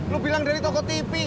lo bilang dari toko tv